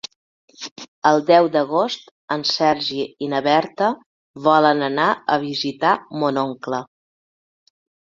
El deu d'agost en Sergi i na Berta volen anar a visitar mon oncle.